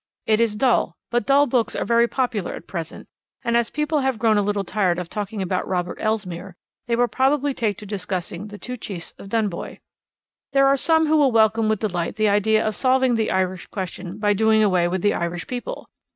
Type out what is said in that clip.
It is dull, but dull books are very popular at present; and as people have grown a little tired of talking about Robert Elsmere, they will probably take to discussing The Two Chiefs of Dunboy. There are some who will welcome with delight the idea of solving the Irish question by doing away with the Irish people.